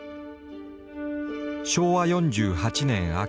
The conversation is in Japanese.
昭和４８年秋。